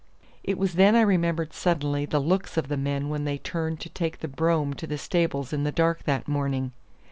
It was then I remembered suddenly the looks of the men when they turned to take the brougham to the stables in the dark that morning.